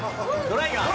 ドライガー！